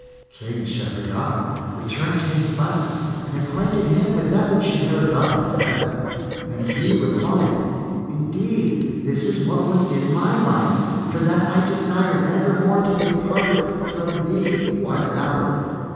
King Shahryar returned to his brother and acquainted him with that which Shahrazad had said; and he replied, "Indeed, this is what was in my mind, for that I desire nevermore to be parted from thee one hour.